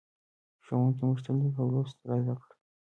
ښوونکی موږ ته لیک او لوست را زدهکوي.